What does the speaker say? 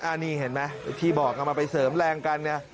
อันนี้เห็นไหมที่บอกมันไปเสริมแรงกันไง